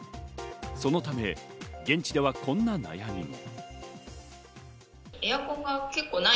そのため、現地ではこんな悩みも。